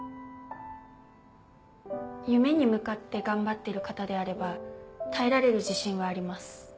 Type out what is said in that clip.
夢に向かって頑張ってる方であれば耐えられる自信はあります。